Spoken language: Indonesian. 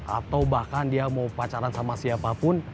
atau bahkan dia mau pacaran sama siapapun